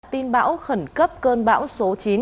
tin bão khẩn cấp cơn bão số chín